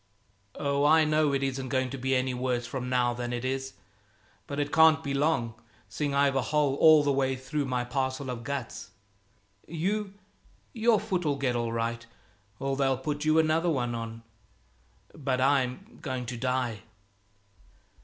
Oh, I know it isn't going to be any worse from now than it is, but it can't be long, seeing I've a hole all the way through my parcel of guts. You, your foot'll get all right, or they'll put you another one on. But I'm going to die."